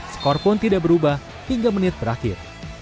skor pun tidak berubah hingga menit berakhir